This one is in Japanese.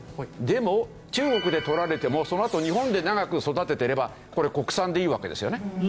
でも中国で取られてもそのあと日本で長く育ててればこれ国産でいいわけですよね。